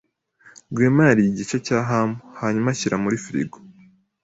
Rwema yariye igice cya ham, hanyuma ashyira muri firigo.